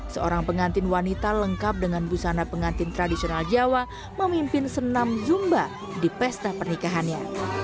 seorang pengantin wanita lengkap dengan busana pengantin tradisional jawa memimpin senam zumba di pesta pernikahannya